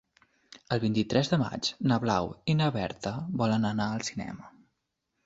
El vint-i-tres de maig na Blau i na Berta volen anar al cinema.